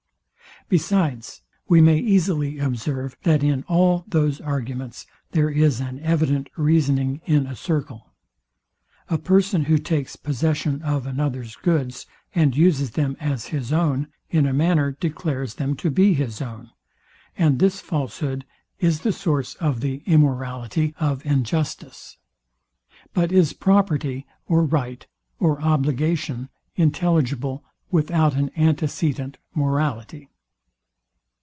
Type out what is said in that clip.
Besides, we may easily observe, that in all those arguments there is an evident reasoning in a circle. A person who takes possession of another's goods, and uses them as his own, in a manner declares them to be his own; and this falshood is the source of the immorality of injustice. But is property, or right, or obligation, intelligible, without an antecedent morality?